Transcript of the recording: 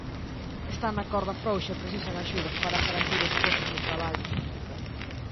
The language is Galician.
Están na corda frouxa e precisan axudas para garantir os postos de traballo.